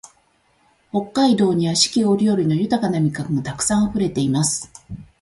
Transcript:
北海道には四季折々の豊な味覚がたくさんあふれています